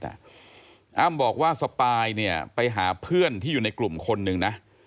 อ้ำบอกว่าสปายเนี่ยไปหาเพื่อนที่อยู่ในกลุ่มคนหนึ่งนะ